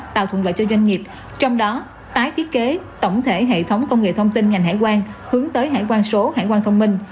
tạo thuận lợi cho doanh nghiệp trong đó tái thiết kế tổng thể hệ thống công nghệ thông tin ngành hải quan hướng tới hải quan số hải quan thông minh